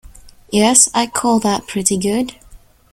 Yes, I call that pretty good.